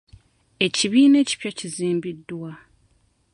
Ekibiina ekipya kizimbiddwa.